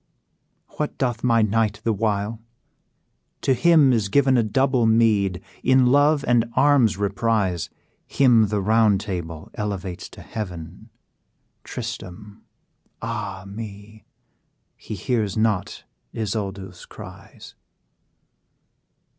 "What doth my knight the while? to him is given A double meed; in love and arms' emprise, Him the Round Table elevates to heaven! Tristram! ah me! he hears not Isoude's cries."